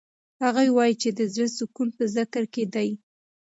هغوی وایي چې د زړه سکون په ذکر کې دی.